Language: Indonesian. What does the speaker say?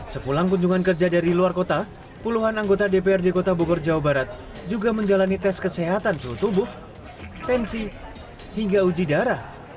sepulang kunjungan kerja dari luar kota puluhan anggota dprd kota bogor jawa barat juga menjalani tes kesehatan suhu tubuh tensi hingga uji darah